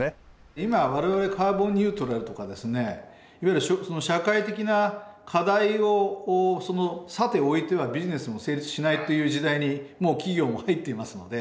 今我々カーボンニュートラルとかですねいわゆる社会的な課題をさておいてはビジネスも成立しないという時代にもう企業も入っていますので。